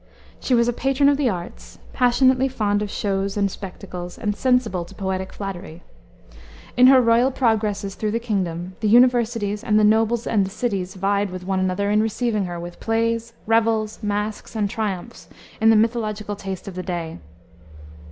She was a patron of the arts, passionately fond of shows and spectacles, and sensible to poetic flattery. In her royal progresses through the kingdom, the universities and the nobles and the cities vied with one another in receiving her with plays, revels, masques, and triumphs, in the mythological taste of the day.